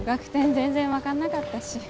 全然分かんなかったし。